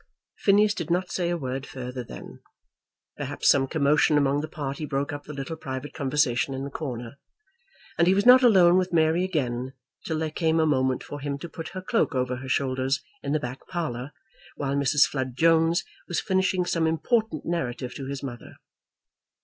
Phineas did not say a word further then. Perhaps some commotion among the party broke up the little private conversation in the corner. And he was not alone with Mary again till there came a moment for him to put her cloak over her shoulders in the back parlour, while Mrs. Flood Jones was finishing some important narrative to his mother.